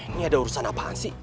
ini ada urusan apaan sih